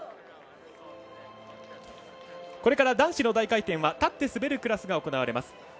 これから男子の大回転は立って滑るクラスが行われます。